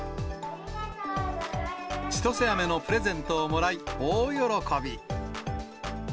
ちとせあめのプレゼントをもらい、大喜び。